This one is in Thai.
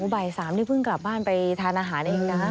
บ่าย๓นี่เพิ่งกลับบ้านไปทานอาหารเองนะ